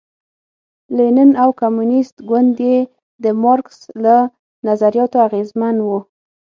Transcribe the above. لینین او کمونېست ګوند یې د مارکس له نظریاتو اغېزمن و.